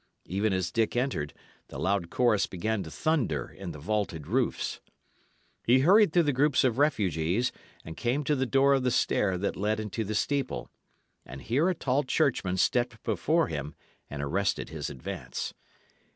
Even as Dick entered, the loud chorus began to thunder in the vaulted roofs. He hurried through the groups of refugees, and came to the door of the stair that led into the steeple. And here a tall churchman stepped before him and arrested his advance.